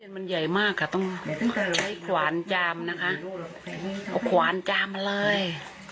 มันใหญ่มากค่ะต้องใช้ขวานจามนะคะเอาขวานจามมาเลย